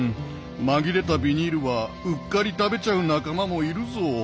紛れたビニールはうっかり食べちゃう仲間もいるゾウ。